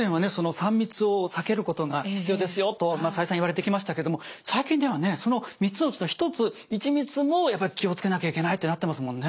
３密を避けることが必要ですよと再三言われてきましたけども最近ではねその３つのうちの１つ１密もやっぱり気を付けなきゃいけないってなってますもんね。